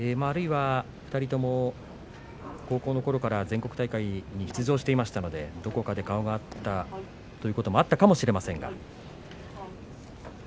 あるいは２人とも高校のころから全国大会に出場していましたのでどこかで顔が合ったということもあったかもしれません。